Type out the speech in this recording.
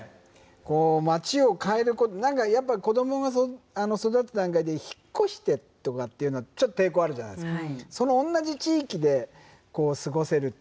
こう街を変える何かやっぱ子どもが育った段階で引っ越してとかっていうのはちょっと抵抗あるじゃないですか。